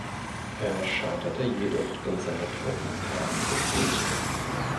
Er scheiterte jedoch, denn seine Truppen kamen zu spät.